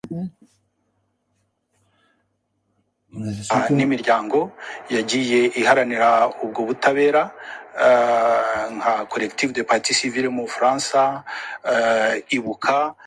agwa mu gico cy'abambuzi, baramwambura, baramukubita, barigendera,